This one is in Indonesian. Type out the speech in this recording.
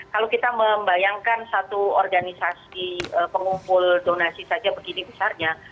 kalau kita membayangkan satu organisasi pengumpul donasi saja begini besarnya